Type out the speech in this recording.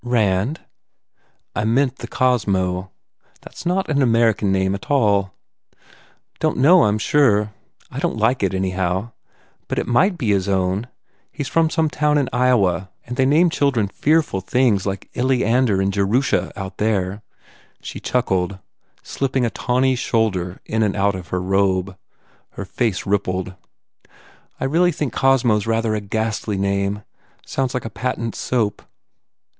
"Rand." "I meant the Cosmo. That s not an American name at all." "Don t know, I m sure. I don t like it, any how. But it might be his own. He s from some town in Iowa and they name children fearful things like Eliander and Jerusha, out there." She chuckled, slipping a tawny shoulder in and out of her robe. Her face rippled, "I really think Cosmo s a rather ghastly name. Sounds like a patent soup.